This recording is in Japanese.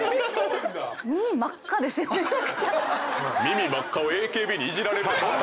耳真っ赤をＡＫＢにいじられるってどんな。